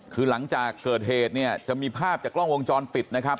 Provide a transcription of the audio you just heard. คือหลังจากเกิดเหตุเนี่ยจะมีภาพจากกล้องวงจรปิดนะครับ